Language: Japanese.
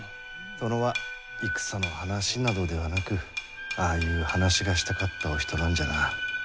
殿は戦の話などではなくああいう話がしたかったお人なんじゃな。